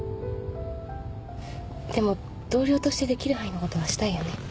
でも同僚としてできる範囲のことはしたいよね。